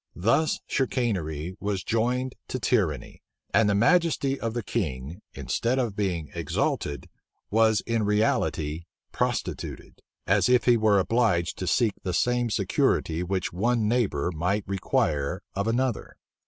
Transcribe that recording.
Thus chicanery was joined to tyranny; and the majesty of the king, instead of being exalted, was in reality prostituted; as if he were obliged to seek the same security which one neighbor might require of another.